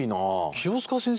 清塚先生